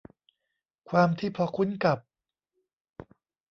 ความที่พอคุ้นกับ